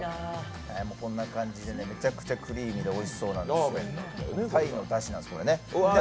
こんな感じで、めちゃくちゃクリーミーでおいしそうなんですが、鯛のおだしなんですけどね。